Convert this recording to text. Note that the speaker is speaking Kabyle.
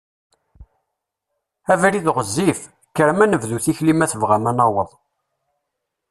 Abrid ɣezzif, kkrem ad nebdu tikli ma tebɣam ad naweḍ.